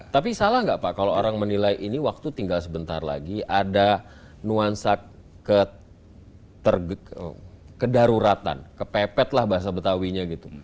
tapi salah nggak pak kalau orang menilai ini waktu tinggal sebentar lagi ada nuansa kedaruratan kepepet lah bahasa betawinya gitu